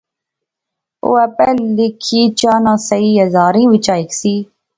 او آپے لکھیں چا نہ سہی ہزاریں وچا ہیک سی